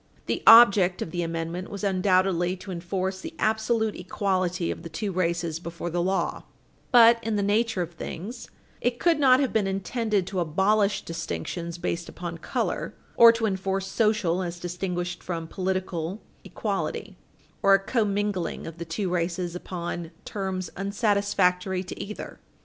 The object of the amendment was undoubtedly to enforce the absolute equality of the two races before the law, but, in the nature of things, it could not have been intended to abolish distinctions based upon color, or to enforce social, as distinguished from political, equality, or a commingling of the two races upon terms unsatisfactory to either.